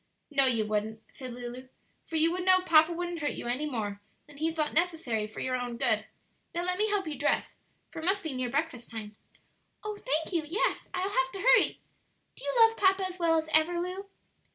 "No, you wouldn't," said Lulu, "for you would know papa wouldn't hurt you any more than he thought necessary for your own good. Now let me help you dress, for it must be near breakfast time." "Oh, thank you; yes, I'll have to hurry. Do you love papa as well as ever, Lu?"